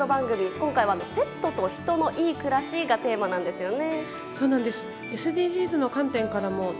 今回は「＃ペットとヒトのいい暮らし」がテーマなんですよね。